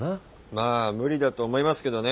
まあ無理だと思いますけどね。